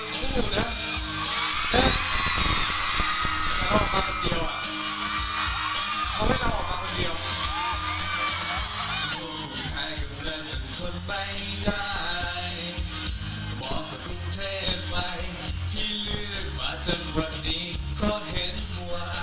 จริงจริงมันเป็นเพลงผู้นะ